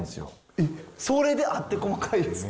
えっ？それであって細かいんですか。